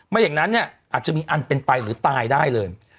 อย่างนั้นเนี่ยอาจจะมีอันเป็นไปหรือตายได้เลย